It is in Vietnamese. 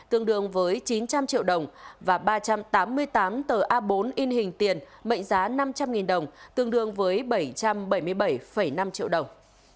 tương đương với chín trăm linh triệu đồng và ba trăm tám mươi tám tờ a bốn in hình tiền mệnh giá năm trăm linh đồng tương đương với bảy trăm bảy mươi bảy năm triệu đồng